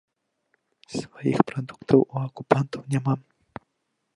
Сваіх прадуктаў у акупантаў няма.